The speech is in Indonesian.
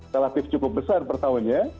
relatif cukup besar per tahun ya